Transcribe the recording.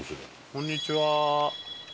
こんにちは。